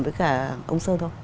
với cả ông sơn không